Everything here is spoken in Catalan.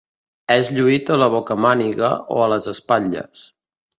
És lluït a la bocamàniga o a les espatlles.